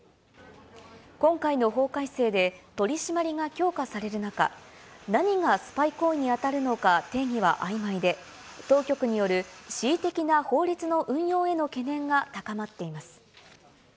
今回の法改正で取締りが強化される中、何がスパイ行為に当たるのか定義はあいまいで、当局による恣意的な法律の運用への懸念が高まっています。